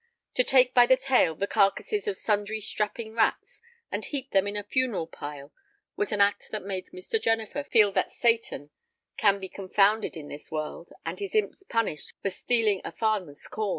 To take by the tail the carcasses of sundry strapping rats and heap them in a funeral pile was an act that made Mr. Jennifer feel that Satan can be confounded in this world and his imps punished for stealing a farmer's com.